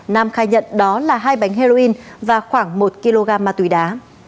nam khai nhận đó là hai bánh heroin và khoảng một kg ma túy đá